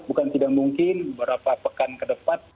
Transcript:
bukan tidak mungkin beberapa pekan ke depan